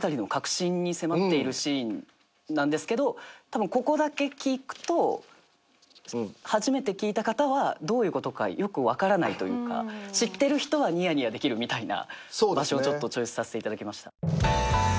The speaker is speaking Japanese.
たぶんここだけ聞くと初めて聞いた方はどういうことかよく分からないというか知ってる人はニヤニヤできるみたいな場所をちょっとチョイスさせていただきました。